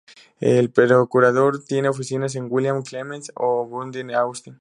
El procurador tiene oficinas en el William P. Clements State Office Building en Austin.